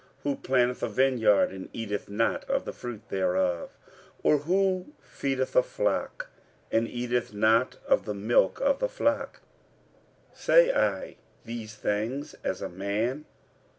who planteth a vineyard, and eateth not of the fruit thereof? or who feedeth a flock, and eateth not of the milk of the flock? 46:009:008 Say I these things as a man?